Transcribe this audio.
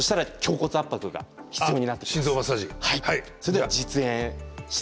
はい。